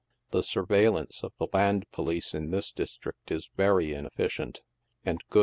The surveillance of the land police in this district is very inefficient, and good?